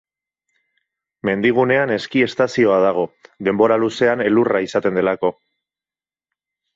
Mendigunean eski estazioa dago, denbora luzean elurra izaten delako.